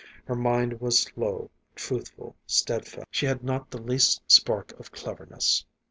Her mind was slow, truthful, steadfast. She had not the least spark of cleverness.